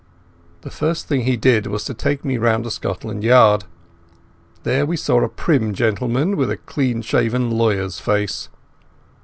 The first thing he did was to take me round to Scotland Yard. There we saw a prim gentleman, with a clean shaven, lawyer's face.